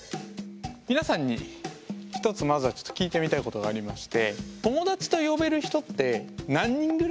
皆さんにひとつまずはちょっと聞いてみたいことがありまして。